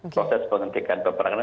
proses penentikan peperangan